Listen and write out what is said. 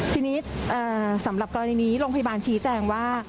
ทีนี้สำหรับกรณีนี้โรงพยาบาลชี้แจงว่า